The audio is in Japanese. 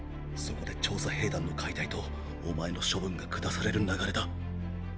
そこで調査兵団の解体とお前の処分が下される流れだ。